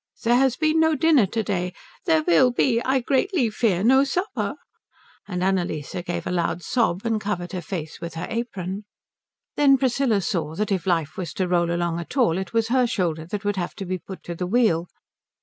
There has been no dinner to day. There will be, I greatly fear, n o o supp pper." And Annalise gave a loud sob and covered her face with her apron. Then Priscilla saw that if life was to roll along at all it was her shoulder that would have to be put to the wheel.